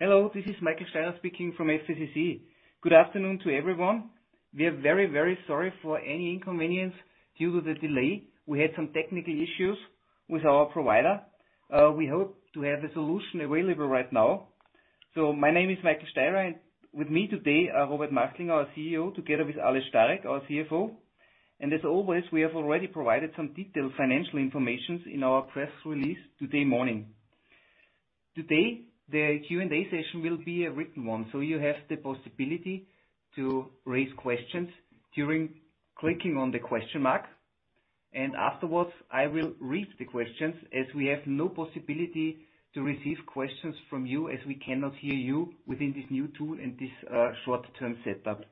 Hello, this is Michael Steirer speaking from FACC. Good afternoon to everyone. We are very, very sorry for any inconvenience due to the delay. We had some technical issues with our provider. We hope to have a solution available right now. My name is Michael Steirer, and with me today are Robert Machtlinger, our CEO, together with Aleš Stárek, our CFO. As always, we have already provided some detailed financial information in our press release today morning. Today, the Q&A session will be a written one, so you have the possibility to raise questions during clicking on the question mark. Afterwards, I will read the questions as we have no possibility to receive questions from you, as we cannot hear you within this new tool and this short-term setup.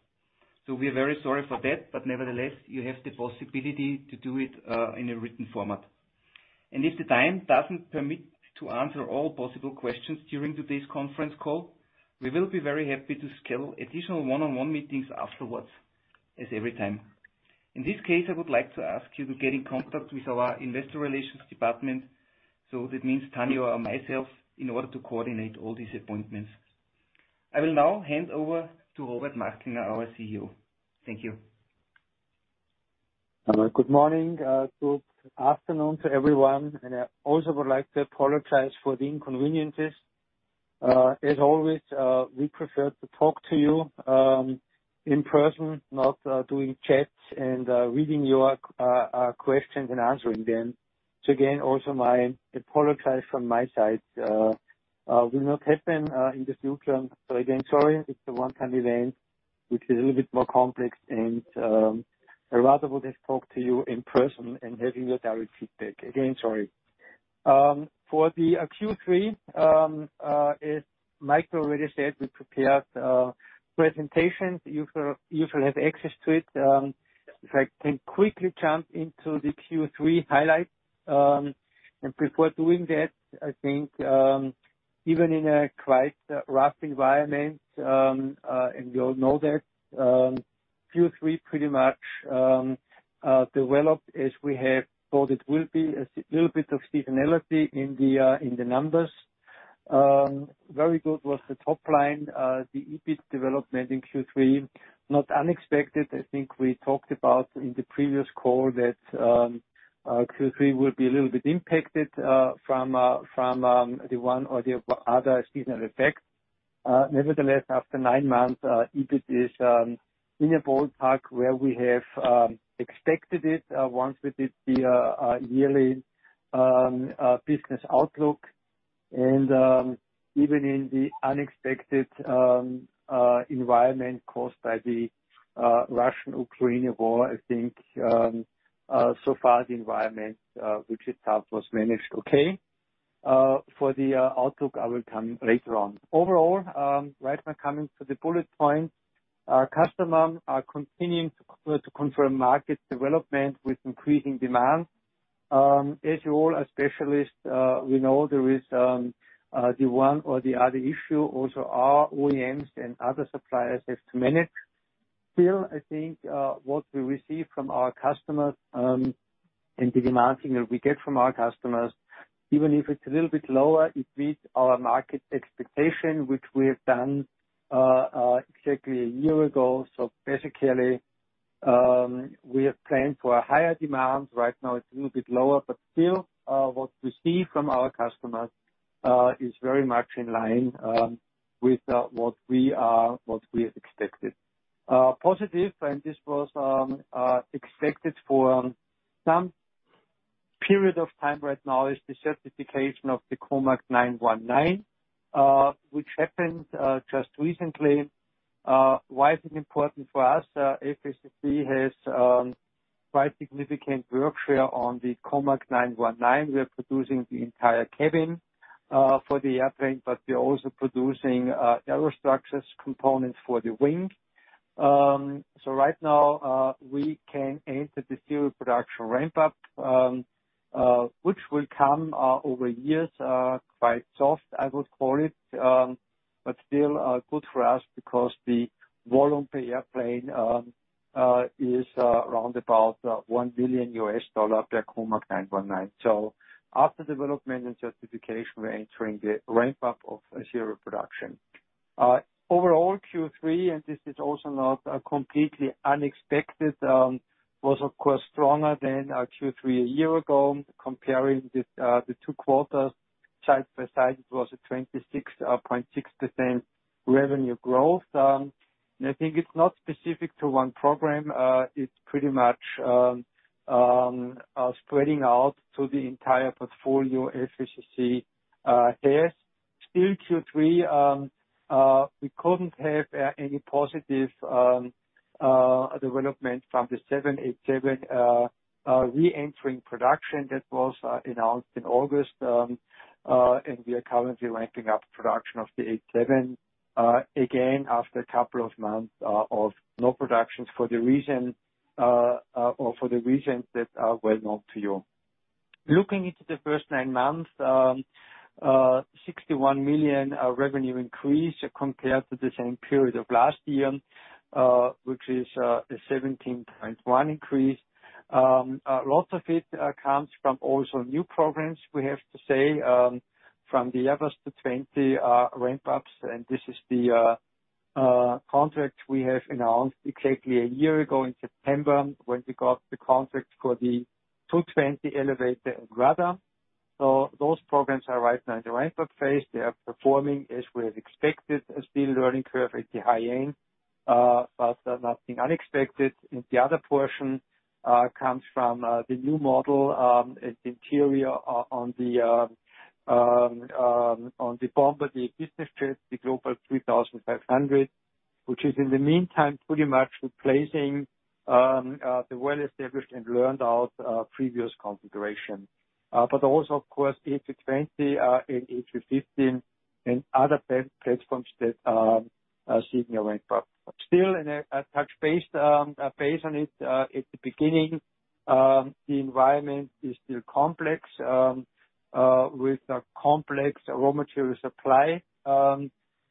We are very sorry for that, but nevertheless, you have the possibility to do it in a written format. If the time doesn't permit to answer all possible questions during today's conference call, we will be very happy to schedule additional one-on-one meetings afterwards, as every time. In this case, I would like to ask you to get in contact with our investor relations department. That means Tanya or myself, in order to coordinate all these appointments. I will now hand over to Robert Machtlinger, our CEO. Thank you. Good morning, good afternoon to everyone, and I also would like to apologize for the inconveniences. As always, we prefer to talk to you in person, not doing chats and reading your questions and answering them. Again, also my apologies from my side. Will not happen in the future. Again, sorry, it's a one-time event which is a little bit more complex and I rather would have talked to you in person and having your direct feedback. Again, sorry. For the Q3, as Michael already said, we prepared presentations. You should have access to it. If I can quickly jump into the Q3 highlights, and before doing that, I think, even in a quite rough environment, and we all know that, Q3 pretty much developed as we have thought it will be. A little bit of seasonality in the numbers. Very good was the top line. The EBIT development in Q3, not unexpected. I think we talked about in the previous call that, Q3 will be a little bit impacted, from the one or the other seasonal effects. Nevertheless, after nine months, EBIT is in a ballpark where we have expected it, once we did the yearly business outlook and even in the unexpected environment caused by the Russo-Ukrainian War. I think so far the environment, which itself was managed okay. For the outlook, I will come later on. Overall, right now, coming to the bullet point, our customers are continuing to confirm market development with increasing demand. As you all are specialists, we know there is the one or the other issue also our OEMs and other suppliers have to manage. Still, I think what we receive from our customers and the demand that we get from our customers, even if it's a little bit lower, it meets our market expectation, which we have done exactly a year ago. Basically, we have planned for a higher demand. Right now it's a little bit lower, but still what we see from our customers is very much in line with what we have expected. Positive, and this was expected for some period of time right now, is the certification of the COMAC C919, which happened just recently. Why is it important for us? FACC has quite significant workshare on the COMAC C919. We are producing the entire cabin for the airplane, but we are also producing aerostructures components for the wing. Right now we can enter the serial production ramp-up which will come over years quite soft, I would call it. Still good for us because the volume per airplane is around about $1 billion per COMAC 919. After development and certification, we're entering the ramp-up of a serial production. Overall Q3 was of course stronger than Q3 a year ago, and this is also not completely unexpected. Comparing the two quarters side by side, it was a 26.6% revenue growth. I think it's not specific to one program. It's pretty much spreading out to the entire portfolio FACC has. Still Q3, we couldn't have any positive development from the seven eight seven reentering production that was announced in August. We are currently ramping up production of the eight seven again after a couple of months of low productions for the reason or for the reasons that are well known to you. Looking into the first nine months, 61 million revenue increase compared to the same period of last year, which is a 17.1% increase. Lots of it comes from also new programs, we have to say, from the Airbus A220 ramp-ups, and this is the contract we have announced exactly a year ago in September, when we got the contract for the A220 elevator and rudder. Those programs are right now in the ramp-up phase. They are performing as we have expected. Still learning curve at the high end, but nothing unexpected. The other portion comes from the new model interior on the Bombardier business jet, the Global 3500, which is, in the meantime, pretty much replacing the well-established and learned out previous configuration. But also, of course, A220 and A350 and other platforms that are seeing a ramp-up. Still, in a touch base on it at the beginning, the environment is still complex with a complex raw material supply,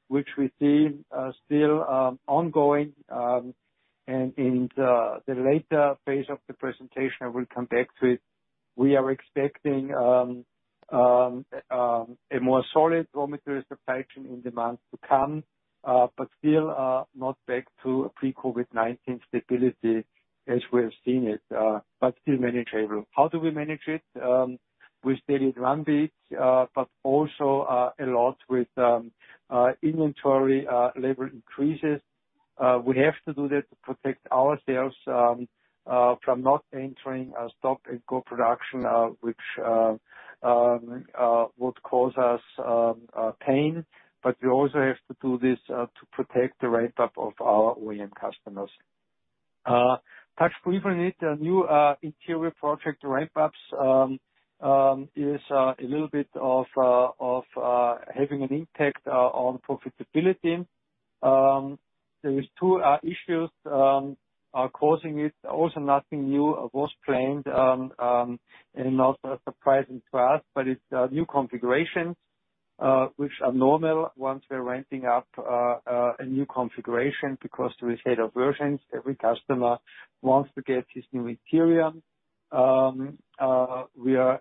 which we see still ongoing. In the later phase of the presentation, I will come back to it. We are expecting a more solid raw material supply chain in demands to come, but still not back to pre-COVID-19 stability as we have seen it, but still manageable. How do we manage it? We stayed in run rates, but also a lot with inventory, labor increases. We have to do that to protect ourselves from not entering a stop-and-go production, which would cause us pain. We also have to do this to protect the ramp up of our OEM customers. To touch briefly on the new interior project ramp-ups is a little bit of having an impact on profitability. There is two issues are causing it. Also, nothing new. It was planned and not a surprise to us, but it's a new configuration which are normal once we're ramping up a new configuration, because of resales of versions, every customer wants to get his new interior. We are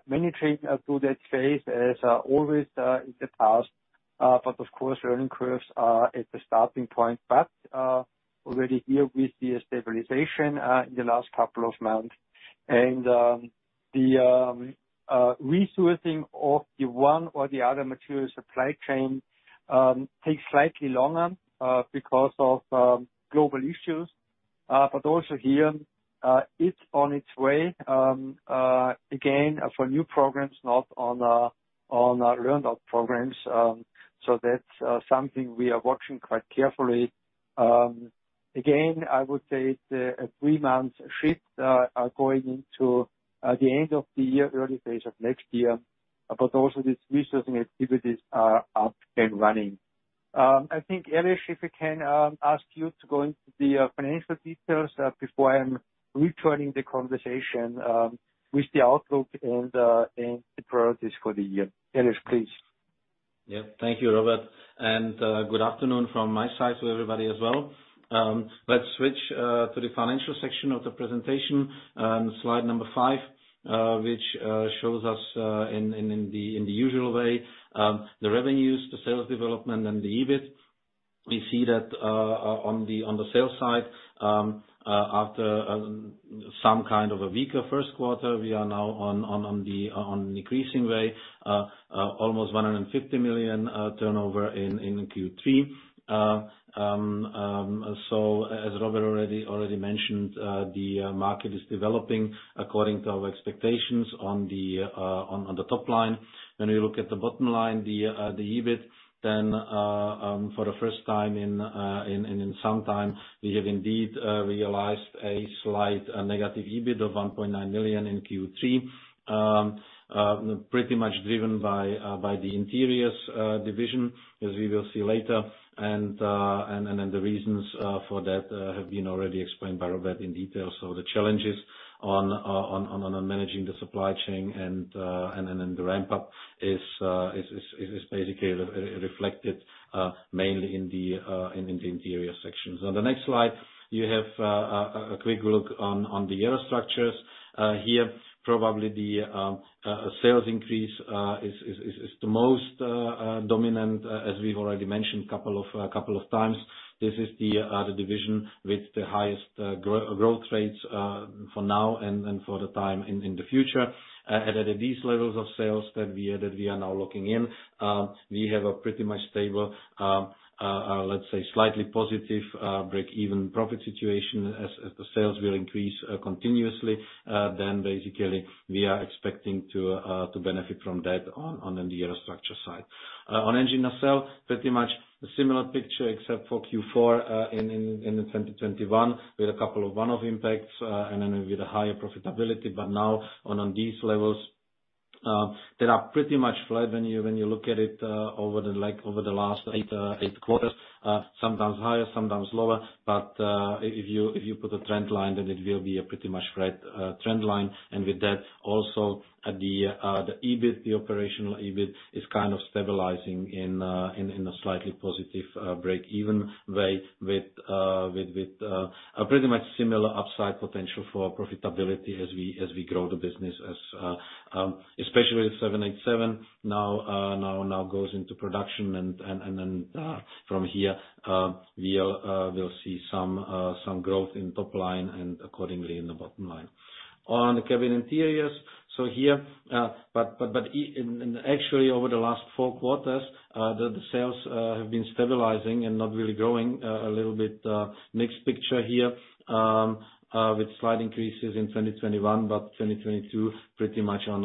managing through that phase as always in the past, but of course, learning curves are at the starting point. Already here, we see a stabilization in the last couple of months. The resourcing of the one or the other material supply chain takes slightly longer because of global issues. Also here, it's on its way again for new programs, not on our learned out programs. That's something we are watching quite carefully. Again, I would say a three-month shift going into the end of the year, early phase of next year. Also these resourcing activities are up and running. I think, Aleš Stárek, if we can ask you to go into the financial details before I'm returning the conversation with the outlook and the priorities for the year. Aleš Stárek, please. Yeah. Thank you, Robert. Good afternoon from my side to everybody as well. Let's switch to the financial section of the presentation. Slide number five, which shows us in the usual way the revenues, the sales development, and the EBIT. We see that on the sales side, after some kind of a weaker first quarter, we are now on the increasing way, almost 150 million turnover in Q3. As Robert already mentioned, the market is developing according to our expectations on the top line. When we look at the bottom line, the EBIT then, for the first time in some time, we have indeed realized a slight negative EBIT of 1.9 million in Q3. Pretty much driven by the interiors division, as we will see later. The reasons for that have been already explained by Robert in detail. The challenges on managing the supply chain and then the ramp up is basically reflected mainly in the interior sections. On the next slide, you have a quick look on the aerostructures. Here, probably the sales increase is the most dominant, as we've already mentioned a couple of times. This is the division with the highest growth rates for now and for the time in the future. At these levels of sales that we are now looking in, we have a pretty much stable, let's say slightly positive break-even profit situation. As the sales will increase continuously, then basically we are expecting to benefit from that on the aerostructure side. On engine nacelle, pretty much a similar picture, except for Q4 in 2021. We had a couple of one-off impacts, and then we had a higher profitability. Now on these levels, they are pretty much flat when you look at it, like, over the last eight quarters. Sometimes higher, sometimes lower. If you put a trend line, then it will be a pretty much flat trend line. And with that also, the EBIT, the operational EBIT is kind of stabilizing in a slightly positive break-even way with a pretty much similar upside potential for profitability as we grow the business, especially with 787 now goes into production and then from here, we'll see some growth in top line and accordingly in the bottom line. On the cabin interiors, actually over the last four quarters, the sales have been stabilizing and not really growing, a little bit mixed picture here, with slight increases in 2021, but 2022 pretty much on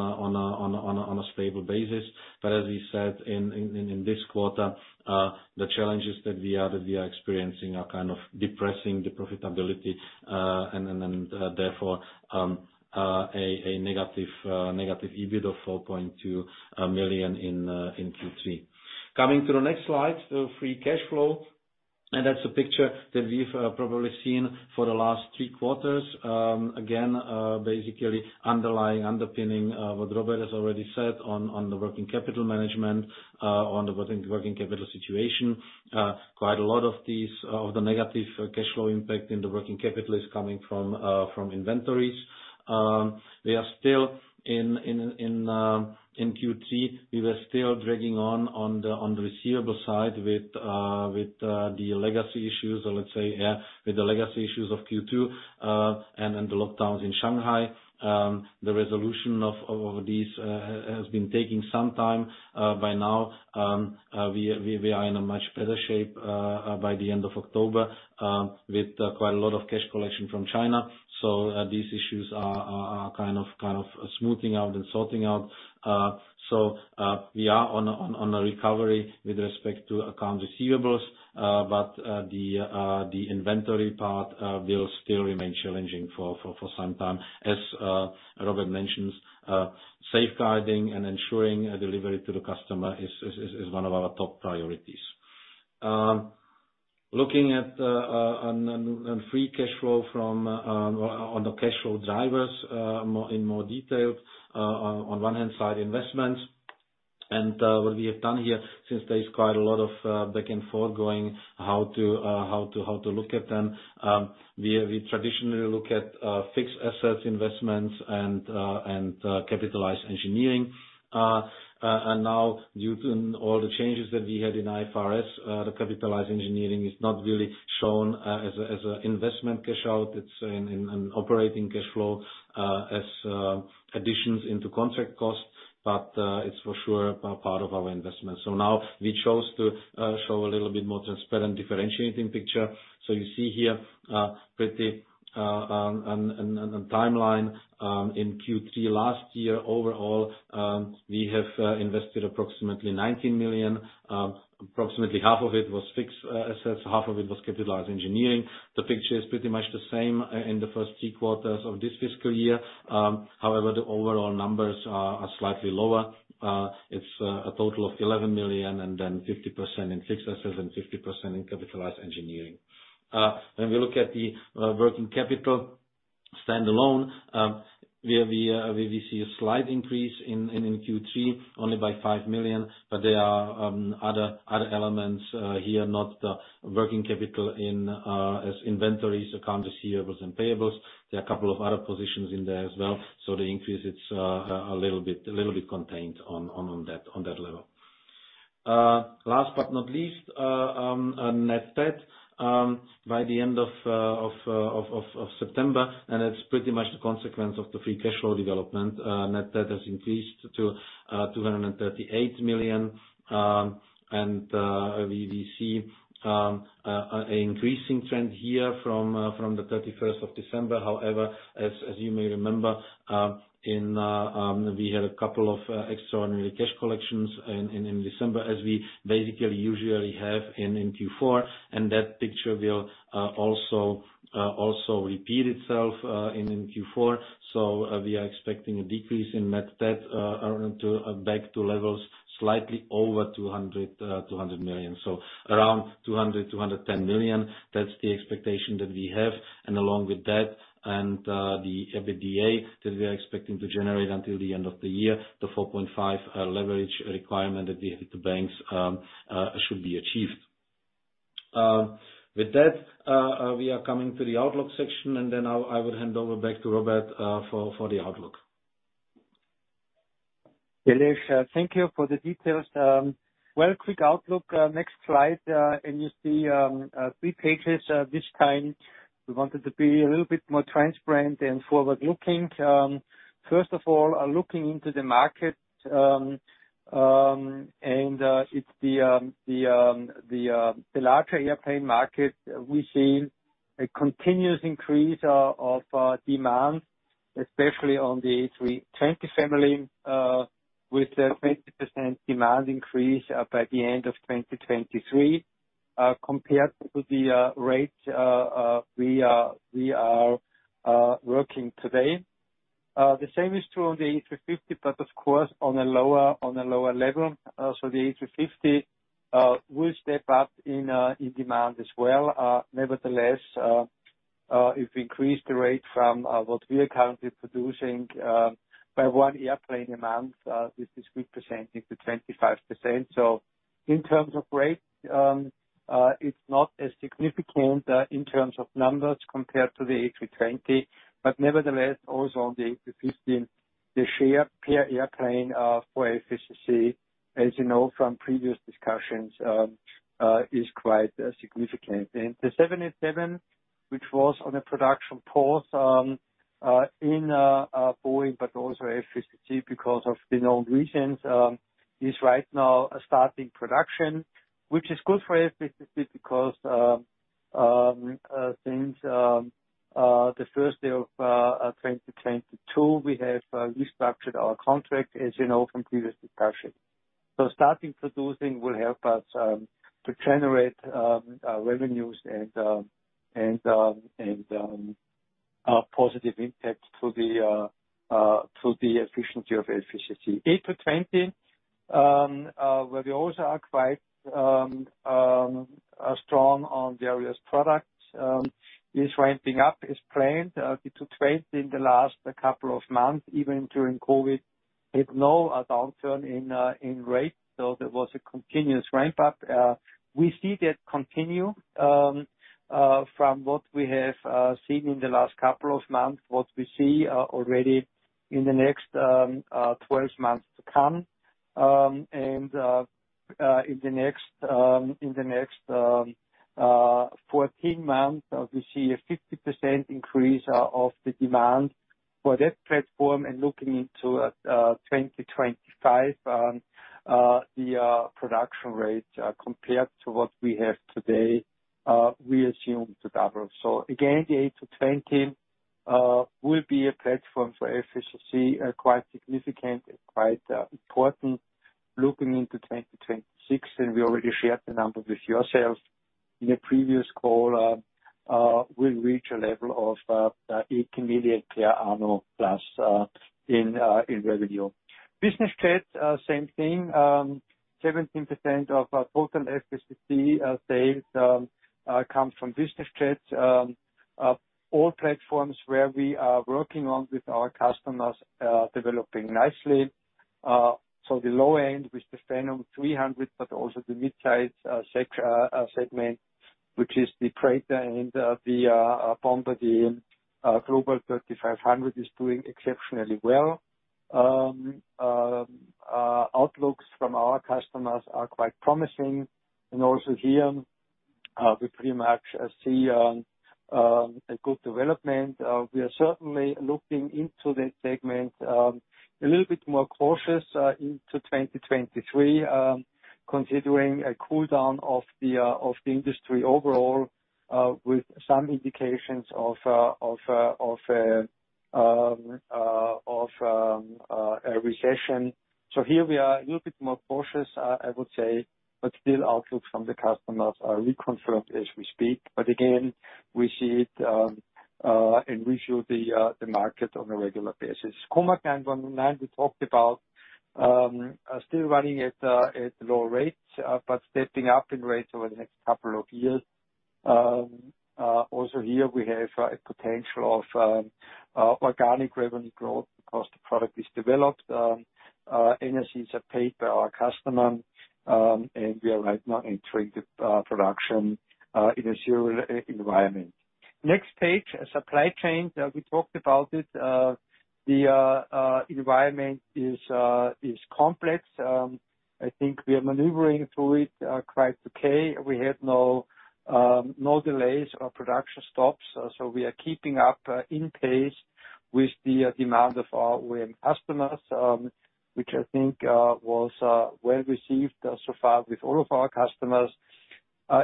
a stable basis. As we said in this quarter, the challenges that we are experiencing are kind of depressing the profitability, and therefore, a negative EBIT of 4.2 million in Q3. Coming to the next slide, free cash flow. That's a picture that we've probably seen for the last three quarters. Again, basically underlying, underpinning what Robert has already said on the working capital management, on the working capital situation. Quite a lot of the negative cash flow impact in the working capital is coming from inventories. We are still in Q3, we were still dragging on the receivable side with the legacy issues, or let's say, yeah, with the legacy issues of Q2, and then the lockdowns in Shanghai. The resolution of these has been taking some time by now. We are in a much better shape by the end of October, with quite a lot of cash collection from China. These issues are kind of smoothing out and sorting out. We are on a recovery with respect to accounts receivables, but the inventory part will still remain challenging for some time. As Robert mentions, safeguarding and ensuring delivery to the customer is one of our top priorities. Looking at free cash flow from the cash flow drivers in more detail, on one hand side investments. What we have done here since there is quite a lot of back and forth going how to look at them. We traditionally look at fixed assets, investments, and capitalized engineering. Due to all the changes that we had in IFRS, the capitalized engineering is not really shown as a investment cash out. It's in operating cash flow, as additions into contract costs, but it's for sure a part of our investment. Now we chose to show a little bit more transparent differentiating picture. You see here a timeline in Q3 last year overall, we have invested approximately 19 million. Approximately half of it was fixed assets, half of it was capitalized engineering. The picture is pretty much the same in the first three quarters of this fiscal year. However, the overall numbers are slightly lower. It's a total of 11 million and then 50% in fixed assets and 50% in capitalized engineering. When we look at the working capital standalone, we see a slight increase in Q3, only by 5 million. There are other elements here not working capital in as inventories, accounts receivables and payables. There are a couple of other positions in there as well. The increase, it's a little bit contained on that level. Last but not least, on net debt, by the end of September, and it's pretty much the consequence of the free cash flow development. Net debt has increased to 238 million, and we see an increasing trend here from the thirty-first of December. However, as you may remember, we had a couple of extraordinary cash collections in December, as we basically usually have in Q4, and that picture will also repeat itself in Q4. We are expecting a decrease in net debt back to levels slightly over 200 million. Around 210 million. That's the expectation that we have. Along with that and the EBITDA that we are expecting to generate until the end of the year, the 4.5 leverage requirement that we have with the banks should be achieved. With that, we are coming to the outlook section, and then I will hand over back to Robert for the outlook. Aleš, thank you for the details. Well, quick outlook, next slide. You see three pages this time. We wanted to be a little bit more transparent and forward-looking. First of all, looking into the market, it's the larger airplane market. We see a continuous increase of demand, especially on the A320 family, with a 20% demand increase by the end of 2023, compared to the rate we are working today. The same is true on the A350, but of course, on a lower level. The A350 will step up in demand as well. Nevertheless, if we increase the rate from what we are currently producing by one airplane a month, this is representing 25%. In terms of rate, it's not as significant in terms of numbers compared to the A320, but nevertheless, also on the A321, the share per airplane for efficiency, as you know from previous discussions, is quite significant. The 787, which was on a production pause in Boeing, but also FACC because of the known reasons, is right now starting production, which is good for FACC because since the first day of 2022, we have restructured our contract, as you know from previous discussions. Starting production will help us to generate revenues and positive impact to the efficiency of FACC. A220, where we also are quite strong on the various products, is ramping up as planned in the last couple of months, even during COVID, with no downturn in rate. There was a continuous ramp up. We see that continue from what we have seen in the last couple of months, what we see already in the next 12 months to come. In the next 14 months, we see a 50% increase of the demand for that platform. Looking into 2025, the production rates compared to what we have today we assume to double. The A220 will be a platform for FACC, quite significant and quite important looking into 2026, and we already shared the numbers with yourselves in a previous call, we'll reach a level of 8 million per annum plus in revenue. Business jets, same thing. 17% of our total FACC sales comes from business jets. All platforms where we are working on with our customers are developing nicely. The low end with the Phenom 300, but also the mid-size segment, which is the Praetor and the Bombardier Global 3500 is doing exceptionally well. Outlooks from our customers are quite promising. Also here, we pretty much see a good development. We are certainly looking into that segment a little bit more cautious into 2023, considering a cool down of the industry overall, with some indications of a recession. Here we are a little bit more cautious, I would say, but still outlook from the customers are reconfirmed as we speak. Again, we see it and review the market on a regular basis. COMAC C919, we talked about still running at low rates, but stepping up in rates over the next couple of years. Also here we have a potential of organic revenue growth because the product is developed. Engineering is paid by our customer, and we are right now in steady production in a serial environment. Next page, supply chain. We talked about it. The environment is complex. I think we are maneuvering through it quite okay. We had no delays or production stops, so we are keeping up in pace with the demand of our OEM customers, which I think was well received so far with all of our customers.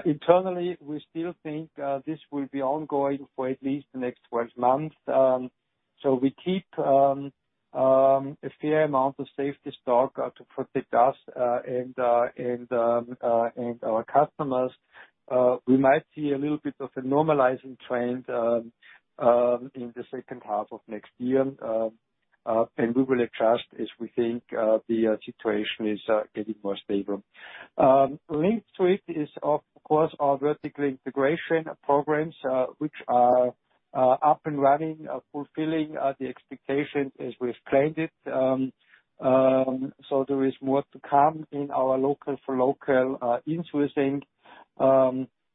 Internally, we still think this will be ongoing for at least the next 12 months. We keep a fair amount of safety stock to protect us and our customers. We might see a little bit of a normalizing trend in the second half of next year. We will adjust as we think the situation is getting more stable. Linked to it is of course our vertical integration programs, which are up and running, fulfilling the expectations as we've planned it. There is more to come in our local for local insourcing,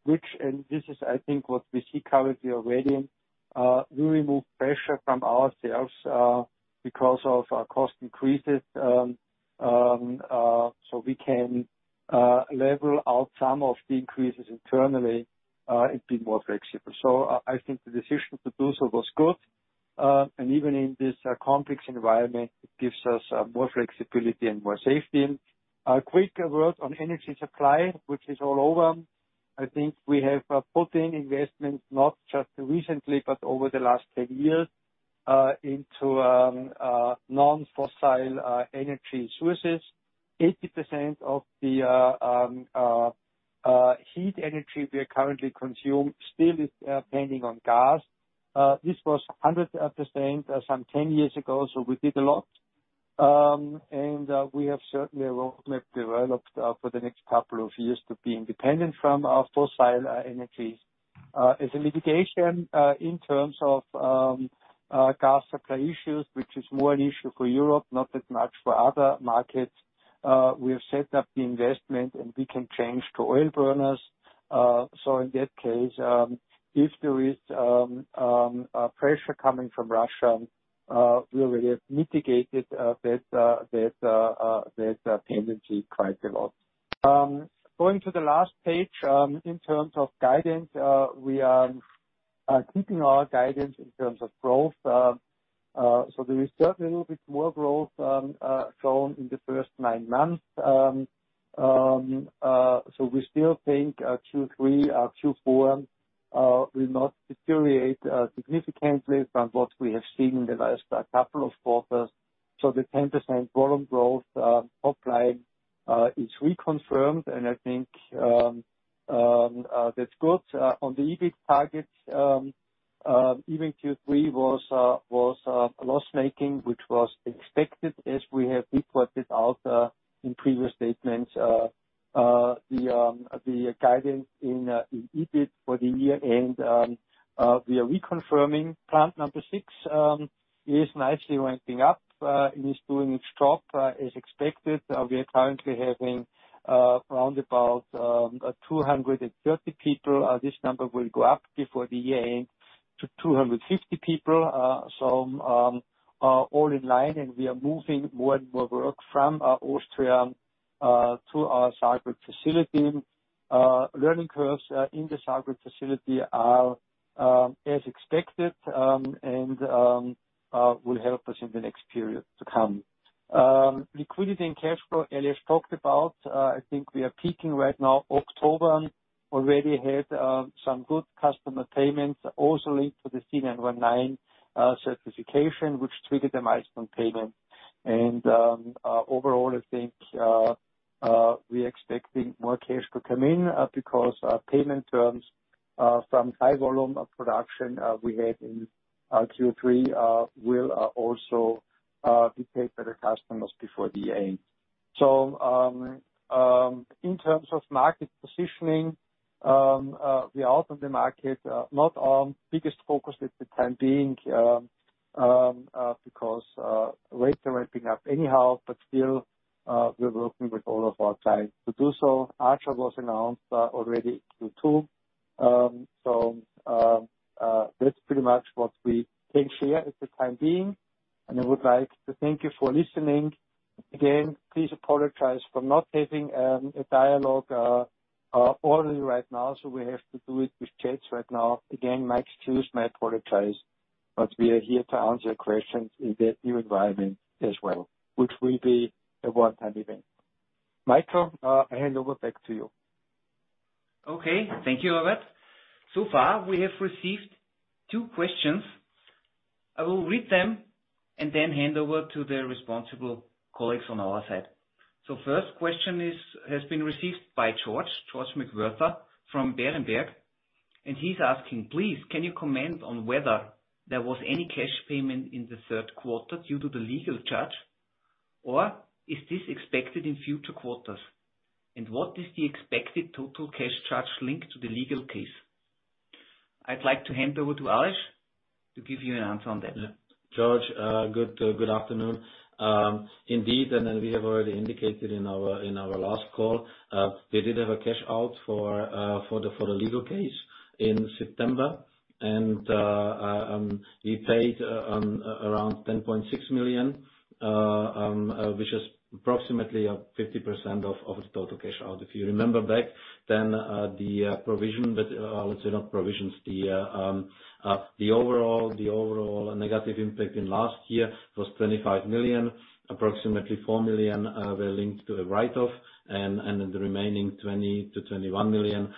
which and this is, I think, what we see currently already. We remove pressure from ourselves because of our cost increases, so we can level out some of the increases internally and be more flexible. I think the decision to do so was good. Even in this complex environment, it gives us more flexibility and more safety. A quick word on energy supply, which is all over. I think we have put in investments, not just recently, but over the last 10 years, into non-fossil energy sources. 80% of the heat energy we are currently consuming still is depending on gas. This was 100% some 10 years ago, so we did a lot. We have certainly a roadmap developed for the next couple of years to be independent from our fossil energies. As a mitigation in terms of gas supply issues, which is more an issue for Europe, not that much for other markets, we have set up the investment and we can change to oil burners. In that case, if there is pressure coming from Russia, we already have mitigated that tendency quite a lot. Going to the last page, in terms of guidance, we are keeping our guidance in terms of growth. There is certainly a little bit more growth shown in the first nine months. We still think Q3 or Q4 will not deteriorate significantly from what we have seen in the last couple of quarters. The 10% volume growth top line is reconfirmed and I think that's good. On the EBIT targets, even Q3 was loss-making, which was expected as we have reported out in previous statements, the guidance in EBIT for the year end we are reconfirming. Plant number six is nicely ramping up, it is doing its job as expected. We are currently having around about 230 people. This number will go up before the year-end to 250 people. All in line, and we are moving more and more work from Austria to our Zagreb facility. Learning curves in the Zagreb facility are as expected and will help us in the next period to come. Liquidity and cash flow, Aleš Stárek talked about. I think we are peaking right now. October already had some good customer payments, also linked to the C919 certification, which triggered the milestone payment. Overall, I think we're expecting more cash to come in because our payment terms from high volume of production we had in Q3 will also be paid by the customers before the end. In terms of market positioning, we are out on the market, not our biggest focus at the time being, because rates are ramping up anyhow, but still, we're working with all of our clients to do so. Archer was announced already Q2. That's pretty much what we can share at the time being. I would like to thank you for listening. Again, please apologize for not having a dialogue orally right now, so we have to do it with chats right now. Again, my apologies, but we are here to answer questions in the new environment as well, which will be a one-time event. Michael, I hand over back to you. Okay. Thank you, Robert. So far, we have received two questions. I will read them and then hand over to the responsible colleagues on our side. First question is, has been received by George McWhirter from Berenberg. He's asking, please, can you comment on whether there was any cash payment in the third quarter due to the legal charge? Or is this expected in future quarters? What is the expected total cash charge linked to the legal case? I'd like to hand over to Aleš Stárek to give you an answer on that. George, good afternoon. Indeed, we have already indicated in our last call, we did have a cash out for the legal case in September. We paid around 10.6 million, which is approximately 50% of the total cash out. If you remember back then, the provision that, let's say not provisions, the overall negative impact in last year was 25 million. Approximately 4 million were linked to a write-off, and the remaining 20 million-21 million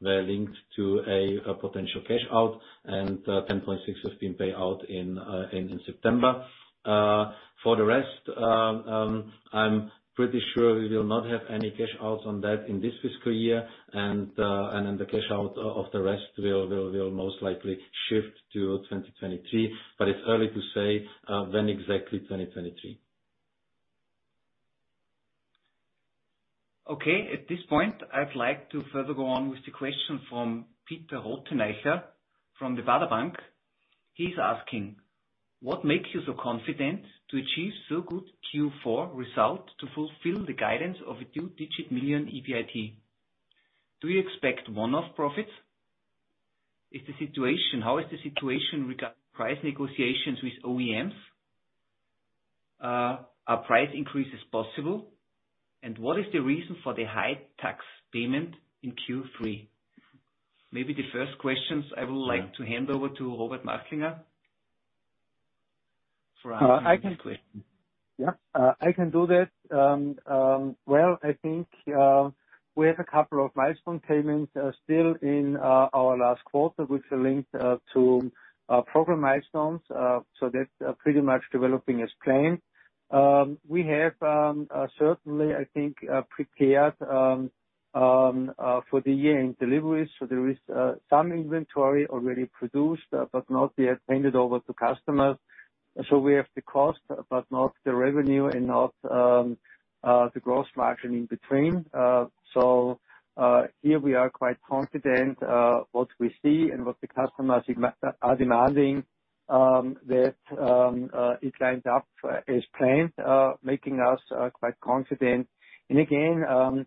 were linked to a potential cash out, and 10.6 million has been paid out in September. For the rest, I'm pretty sure we will not have any cash outs on that in this fiscal year, and then the cash out of the rest will most likely shift to 2023. It's early to say when exactly 2023. Okay. At this point, I'd like to further go on with the question from Peter Helfrich from the Baader Bank. He's asking, what makes you so confident to achieve so good Q4 result to fulfill the guidance of a two-digit million EBIT? Do you expect one-off profits? How is the situation regarding price negotiations with OEMs? Are price increases possible? And what is the reason for the high tax payment in Q3? Maybe the first questions I would like to hand over to Robert Machtlinger for answering this question. I can, yeah, I can do that. Well, I think we have a couple of milestone payments still in our last quarter, which are linked to program milestones. That's pretty much developing as planned. We have certainly, I think, prepared for the year-end deliveries, so there is some inventory already produced but not yet handed over to customers. We have the cost, but not the revenue and not the gross margin in between. Here we are quite confident what we see and what the customers are demanding, that it lines up as planned, making us quite confident. Again,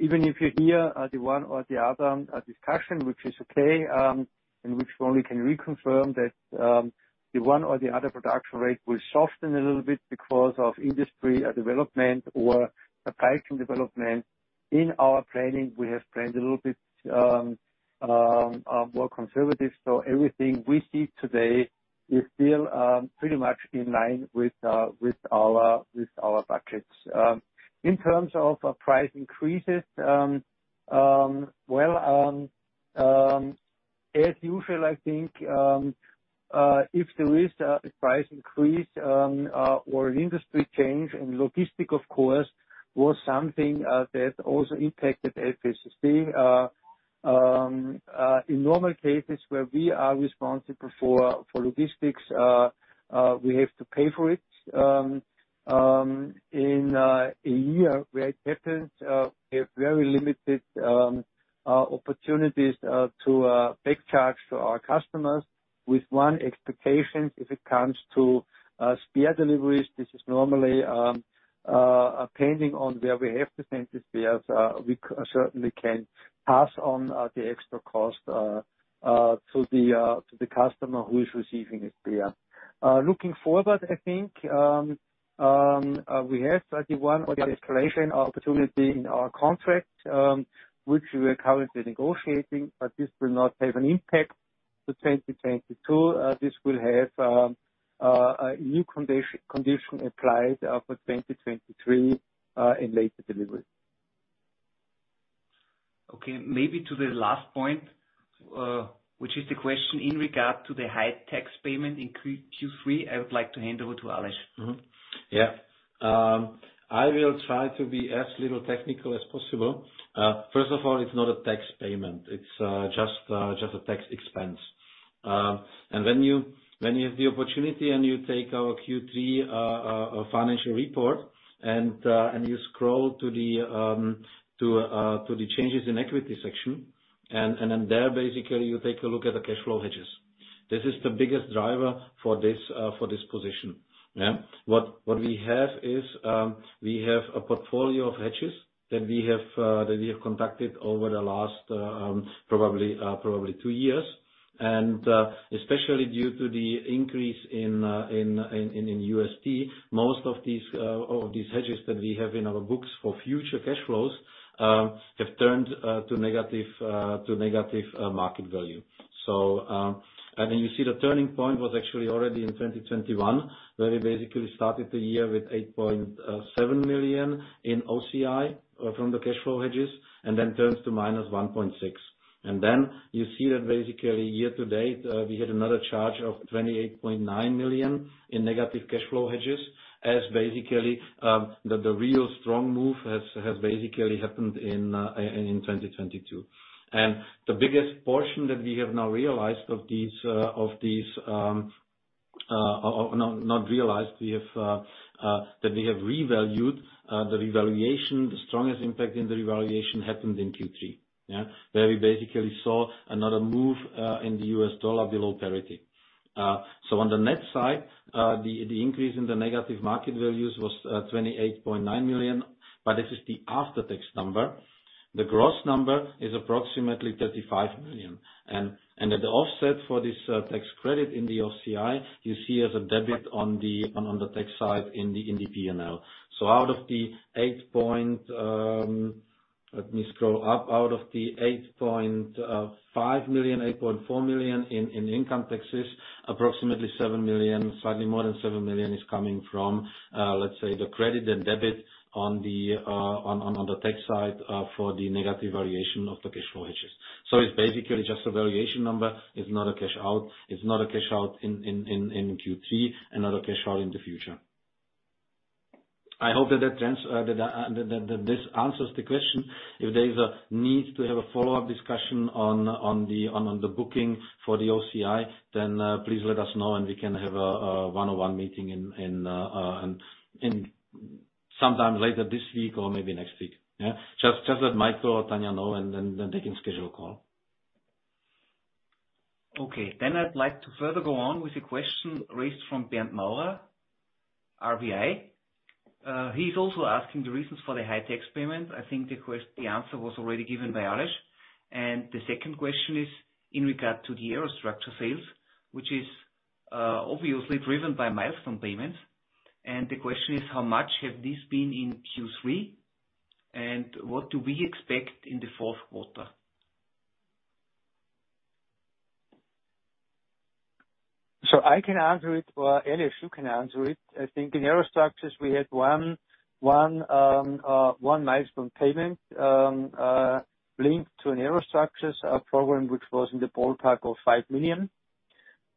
even if you hear the one or the other discussion, which is okay, and which only can reconfirm that the one or the other production rate will soften a little bit because of industry development or a pricing development. In our planning, we have planned a little bit more conservative, so everything we see today is still pretty much in line with our budgets. In terms of price increases, well, as usual, I think, if there is a price increase or an industry change and logistics, of course, was something that also impacted FACC. In normal cases where we are responsible for logistics, we have to pay for it. In a year where it happens, we have very limited opportunities to back charge to our customers with one exception if it comes to spare deliveries. This is normally depending on where we have to send the spares, we certainly can pass on the extra cost to the customer who is receiving it there. Looking forward, I think, we have 31 opportunity in our contract, which we are currently negotiating, but this will not have an impact to 2022. This will have a new condition applied for 2023 in later delivery. Okay, maybe to the last point, which is the question in regard to the high tax payment in Q3, I would like to hand over to Aleš. I will try to be as little technical as possible. First of all, it's not a tax payment. It's just a tax expense. When you have the opportunity and you take our Q3 financial report and you scroll to the changes in equity section, and then there, basically, you take a look at the cash flow hedges. This is the biggest driver for this position. What we have is, we have a portfolio of hedges that we have conducted over the last probably two years. Especially due to the increase in USD, most of these hedges that we have in our books for future cash flows have turned to negative market value. You see the turning point was actually already in 2021, where we basically started the year with 8.7 million in OCI from the cash flow hedges, and then turns to -1.6 million. You see that basically year to date we had another charge of 28.9 million in negative cash flow hedges as basically the real strong move has basically happened in 2022. The biggest portion that we have now not realized of these, that we have revalued. The revaluation, the strongest impact in the revaluation happened in Q3. Where we basically saw another move in the U.S. dollar below parity. On the net side, the increase in the negative market values was 28.9 million, but this is the after-tax number. The gross number is approximately 35 million. At the offset for this tax credit in the OCI, you see as a debit on the tax side in the P&L. Out of the eight point, let me scroll up. Out of the 8.5 million, 8.4 million in income taxes, approximately 7 million, slightly more than 7 million is coming from, let's say the credit and debit on the tax side, for the negative valuation of the cash flow hedges. It's basically just a valuation number. It's not a cash out. It's not a cash out in Q3, and not a cash out in the future. I hope that this answers the question. If there is a need to have a follow-up discussion on the booking for the OCI, then please let us know and we can have a one-on-one meeting in sometime later this week or maybe next week. Yeah. Just let Michael or Tanya know and then they can schedule a call. Okay. I'd like to further go on with a question raised from Bernd Maurer, RBI. He's also asking the reasons for the high tax payment. I think the answer was already given by Aleš. The second question is in regard to the aerostructures sales, which is obviously driven by milestone payments. The question is, how much have these been in Q3, and what do we expect in the fourth quarter? I can answer it, or Aleš, you can answer it. I think in aerostructures, we had one milestone payment linked to an aerostructures program, which was in the ballpark of EUR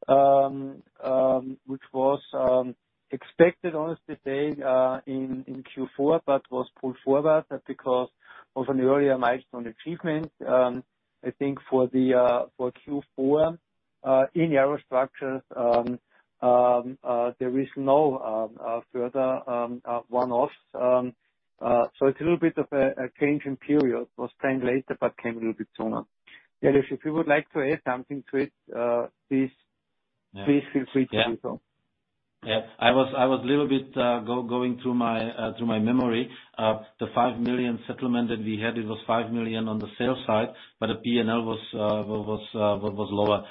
5 million. Expected, honestly, say, in Q4, but was pulled forward because of an earlier milestone achievement. I think for Q4 in aerostructures there is no further one-offs. So it's a little bit of a change in period. It was planned later, but came a little bit sooner. Aleš Stárek, if you would like to add something to it, please feel free to do so. Yeah. I was a little bit going through my memory. The 5 million settlement that we had, it was 5 million on the sales side, but the P&L was lower.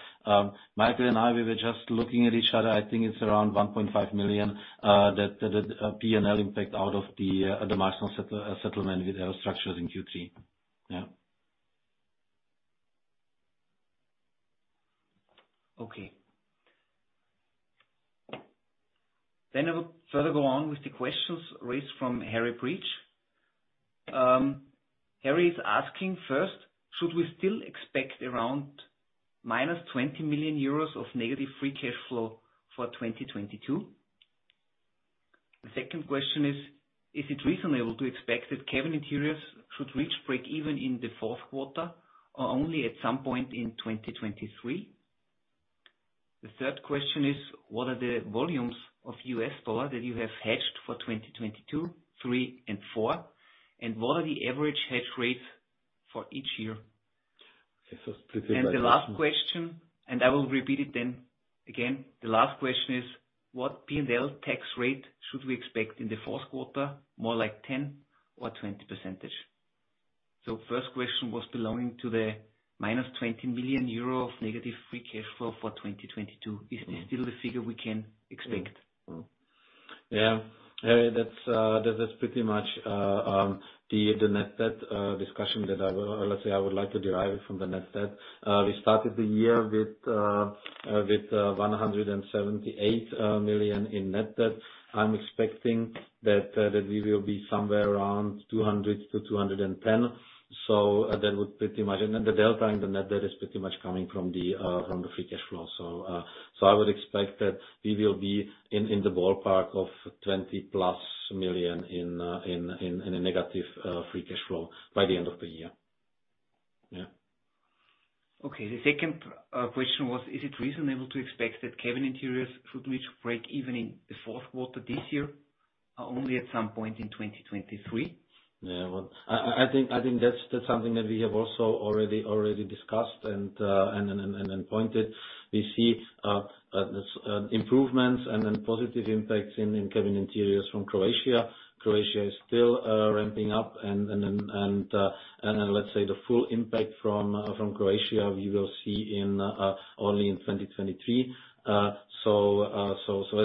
Michael and I, we were just looking at each other. I think it's around 1.5 million, that P&L impact out of the milestone settlement with aerostructures in Q3. Yeah. Okay. I will further go on with the questions raised from Harry Breach. Harry is asking first, should we still expect around -20 million euros of negative free cash flow for 2022? The second question is it reasonable to expect that cabin interiors should reach break even in the fourth quarter, or only at some point in 2023? The third question is, what are the volumes of U.S. dollar that you have hedged for 2022, 2023 and 2024, and what are the average hedge rates for each year? This was pretty much. The last question, and I will repeat it then again. The last question is, what P&L tax rate should we expect in the fourth quarter? More like 10% or 20%? First question was belonging to the -20 million euro of negative free cash flow for 2022. Is this still the figure we can expect? Harry, that's that is pretty much the net debt discussion or let's say I would like to derive it from the net debt. We started the year with 178 million in net debt. I'm expecting that we will be somewhere around 200 million-210 million. So that would pretty much. The delta in the net debt is pretty much coming from the free cash flow. So I would expect that we will be in the ballpark of 20+ million in a negative free cash flow by the end of the year. Okay. The second question was, is it reasonable to expect that cabin interiors should reach break-even in the fourth quarter this year, or only at some point in 2023? Yeah. Well, I think that's something that we have also already discussed and pointed. We see improvements and then positive impacts in cabin interiors from Croatia. Croatia is still ramping up and then let's say the full impact from Croatia we will see only in 2023. As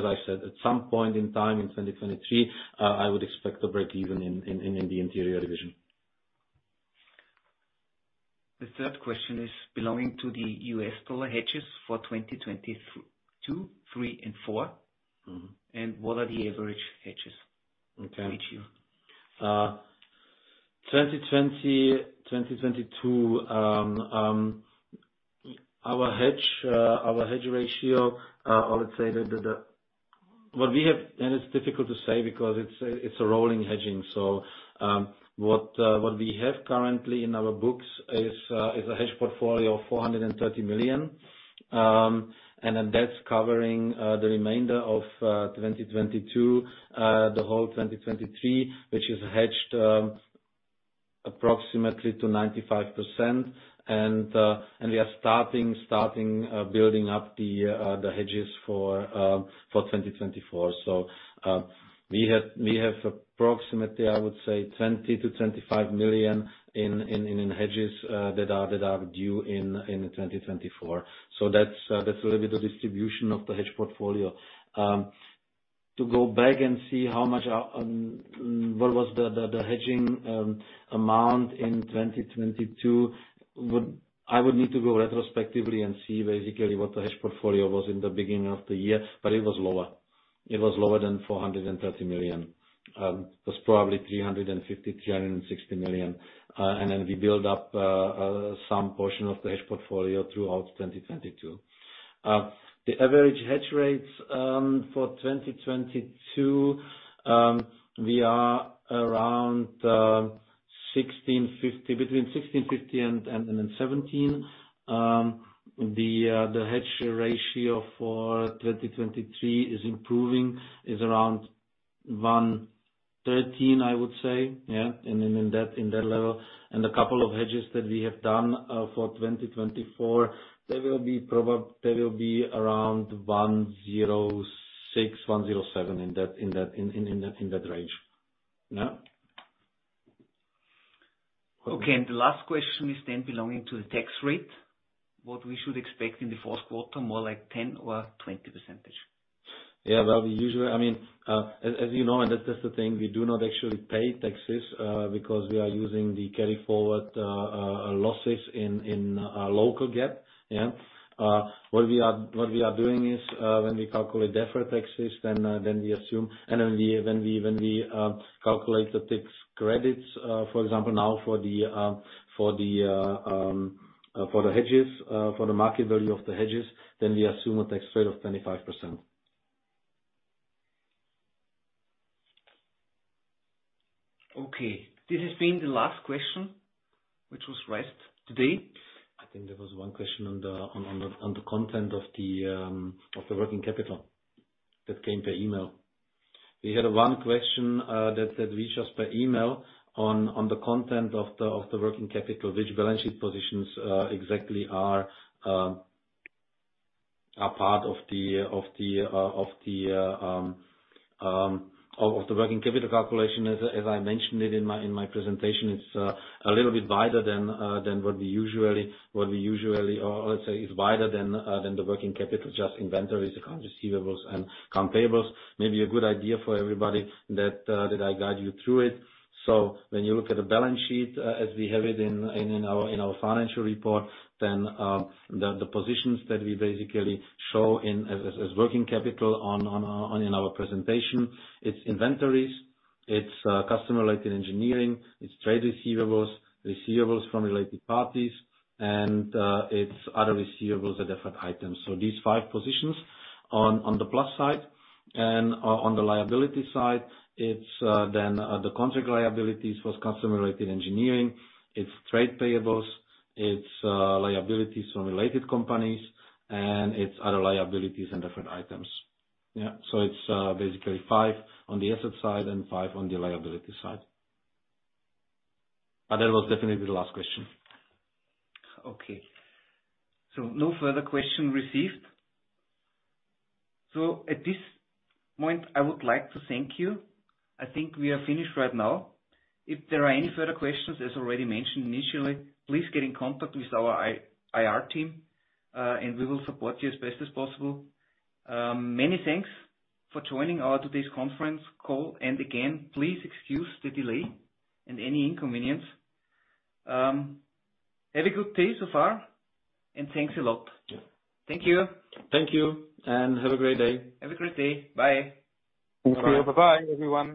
I said, at some point in time in 2023, I would expect to break even in the interior division. The third question is belonging to the U.S. dollar hedges for 2022, 2023 and 2024. What are the average hedges for each year? 2022, our hedge ratio. What we have, and it's difficult to say because it's a rolling hedging. What we have currently in our books is a hedge portfolio of 430 million. And then that's covering the remainder of 2022, the whole 2023, which is hedged approximately to 95%. We are starting building up the hedges for 2024. We have approximately, I would say, 20-25 million in hedges that are due in 2024. That's a little bit of distribution of the hedge portfolio. To go back and see how much what was the hedging amount in 2022, I would need to go retrospectively and see basically what the hedge portfolio was in the beginning of the year, but it was lower. It was lower than 430 million. It was probably 350-360 million. And then we build up some portion of the hedge portfolio throughout 2022. The average hedge rates for 2022, we are around 1.650, between 1.650 and 1.700. The hedge ratio for 2023 is improving, is around 1.13, I would say. Yeah. In that level. A couple of hedges that we have done for 2024, they will be around 106-107, in that range. Yeah. Okay. The last question is then regarding the tax rate, what we should expect in the fourth quarter, more like 10 or 20%? Yeah. Well, we usually, I mean, as you know, and that's just the thing, we do not actually pay taxes, because we are using the carry forward losses in our local GAAP. Yeah. What we are doing is, when we calculate deferred taxes then we calculate the tax credits, for example now for the hedges, for the market value of the hedges, then we assume a tax rate of 25%. Okay, this has been the last question which was raised today. I think there was one question on the content of the working capital that came per email. We had one question that reached us per email on the content of the working capital, which balance sheet positions exactly are part of the working capital calculation. As I mentioned it in my presentation, it's a little bit wider than what we usually or let's say is wider than the working capital, just inventories, account receivables, and account payables. Maybe a good idea for everybody that I guide you through it. When you look at a balance sheet as we have it in our financial report, then the positions that we basically show as working capital in our presentation, it's inventories, customer-related engineering, it's trade receivables from related parties, and it's other receivables and different items. These five positions on the plus side and on the liability side, it's then the contract liabilities for customer-related engineering, it's trade payables, it's liabilities from related companies, and it's other liabilities and different items. Yeah. It's basically five on the asset side and five on the liability side. But that was definitely the last question. Okay. No further question received. At this point, I would like to thank you. I think we are finished right now. If there are any further questions, as already mentioned initially, please get in contact with our IR team, and we will support you as best as possible. Many thanks for joining today's conference call. Again, please excuse the delay and any inconvenience. Have a good day so far and thanks a lot. Yeah. Thank you. Thank you, and have a great day. Have a great day. Bye. Thank you. Bye-bye, everyone.